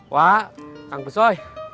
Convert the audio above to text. wah kang pesoy